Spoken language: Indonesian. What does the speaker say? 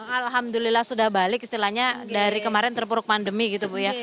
alhamdulillah sudah balik istilahnya dari kemarin terpuruk pandemi gitu bu ya